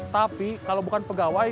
tapi kalau bukan pegawai